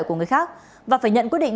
của người khác và phải nhận quyết định